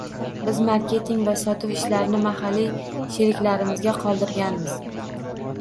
Biz marketing va sotuv ishlarini mahalliy sheriklarimizga qoldirganmiz.